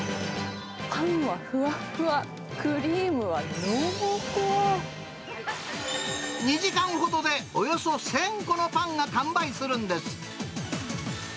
パンはふわっふわっ、クリー２時間ほどでおよそ１０００個のパンが完売するんです。